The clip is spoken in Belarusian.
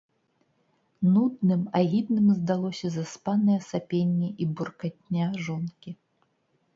Нудным, агідным здалося заспанае сапенне і буркатня жонкі.